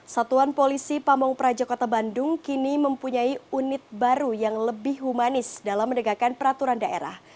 satuan polisi pamung praja kota bandung kini mempunyai unit baru yang lebih humanis dalam menegakkan peraturan daerah